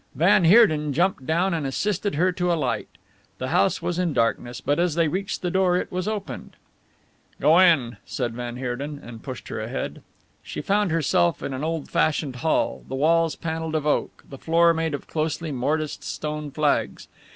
Van Heerden jumped down and assisted her to alight. The house was in darkness, but as they reached the door it was opened. "Go in," said van Heerden, and pushed her ahead. She found herself in an old fashioned hall, the walls panelled of oak, the floor made of closely mortised stone flags.